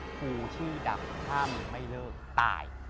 ครูชื่อดังถ้ามึงไม่เลิกตาย